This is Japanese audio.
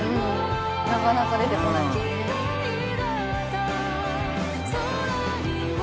なかなか出てこないですね。